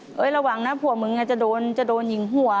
เฮ้ยระหว่างนะผัวมึงจะโดนยิงหัว